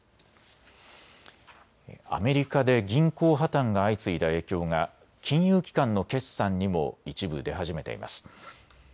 アメリカで銀行破綻が相次いだ影響が金融機関の決算にも一部、出始めています。